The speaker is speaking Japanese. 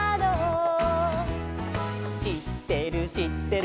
「しってるしってる」